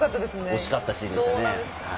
惜しかったシーンですね。